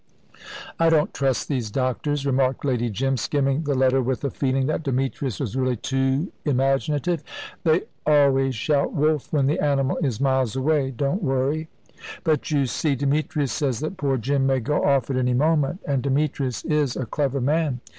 "I don't trust these doctors," remarked Lady Jim, skimming the letter with a feeling that Demetrius was really too imaginative. "They always shout wolf, when the animal is miles away. Don't worry." "But you see, Demetrius says that poor Jim may go off at any moment and Demetrius is a clever man."